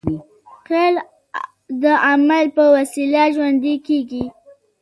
خیال د عمل په وسیله ژوندی کېږي.